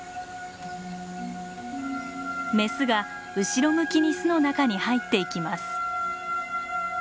メスが後ろ向きに巣の中に入っていきます。